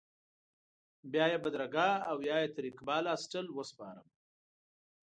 بیا یې بدرګه او یا یې تر اقبال هاسټل وسپارم.